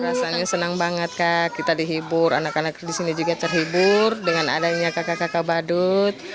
rasanya senang banget kak kita dihibur anak anak di sini juga terhibur dengan adanya kakak kakak badut